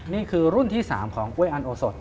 นี่คือรุ่นที่๓ของเวแอนโอนโสต